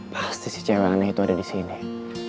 pasti si cewek aneh itu ada di jalan nasi